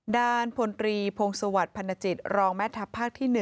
ด่านพลตรีพงศวรรษภัณฑจิตรองแม่ทัพภาคที่๑